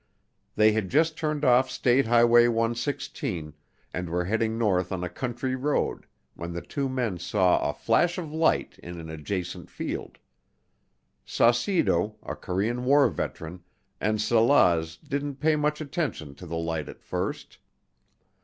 They had just turned off State Highway 116 and were heading north on a country road when the two men saw a flash of light in an adjacent field. Saucedo, a Korean War Veteran, and Salaz didn't pay much attention to the light at first.